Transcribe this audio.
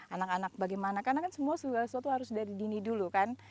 anak anak bagaimana karena kan semua segala sesuatu harus dari dini dulu kan